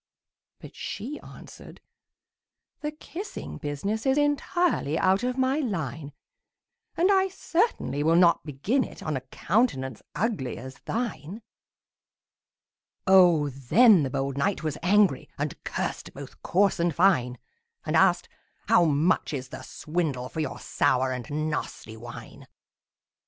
But she answered, "The kissing business Is entirely out of my line; And I certainly will not begin it On a countenance ugly as thine!" Oh, then the bold knight was angry, And cursed both coarse and fine; And asked, "How much is the swindle For your sour and nasty wine?"